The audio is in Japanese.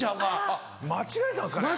あっ間違えたんですかね？